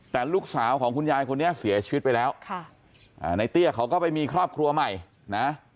แต่ลูกสาวของคุณยายคนนี้เสียชีวิตไปแล้วค่ะอ่าในเตี้ยเขาก็ไปมีครอบครัวใหม่นะ